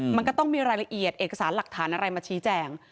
มันก็ต้องมีรายละเอียดเอกสารหลักฐานอะไรมาชี้แจง